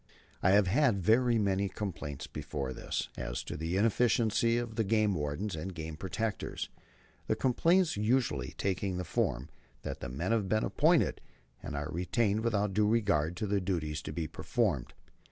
. I have had very many complaints before this as to the inefficiency of the game wardens and game protectors, the complaints usually taking the form that the men have been appointed and are retained without due regard to the duties to be performed.